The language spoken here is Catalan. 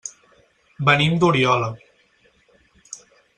Venim d'Oriola.